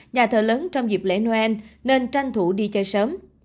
nhà thờ lớn trong dịp lễ noel nên tranh thủ đi chơi sớm